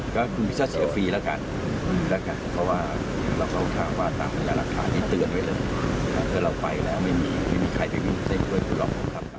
ก็วิเคราะห์เชื่อฟรีแล้วกัน